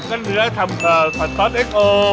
กั้นเนื้อทำเผลอฟันต๊อตเอ็กโอ